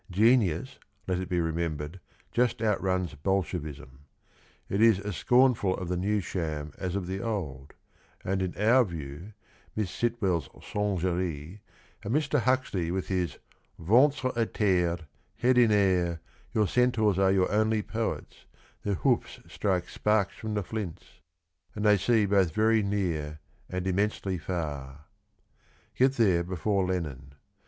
Genius, let it be remembered, just outruns Bolshevism. It is as scornful of the new sham as of the old, and in our view Miss Sitwell's ' Singerie ' and Mr. Huxley with his ' Ventre a terre, head in air, your centuars are your only poets, their hoofs strike sparks from the flints And they see both very near and immensely far,' get there before Lenin.